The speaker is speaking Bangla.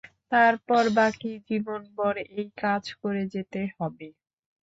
তারপর বাকি জীবনভর এই কাজ করে যেতে হবে।